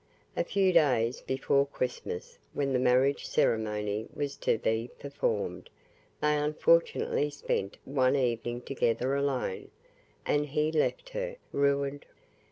A few days before Christmas, when the marriage ceremony was to be performed, they unfortunately spent one evening together alone, and he left her ruined.